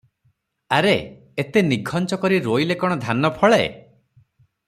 ଆରେ, ଏତେ ନିଘଞ୍ଚ କରି ରୋଇଲେ କଣ ଧାନ ଫଳେ?